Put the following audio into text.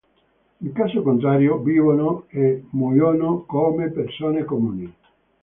In caso contrario, vivono e muoiono come persone comuni.